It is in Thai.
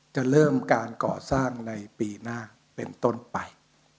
จะเริ่มการก่อสร้างในปีหน้าเป็นต้นไป